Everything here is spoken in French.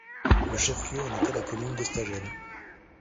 Le chef-lieu en était la commune d'Estagel.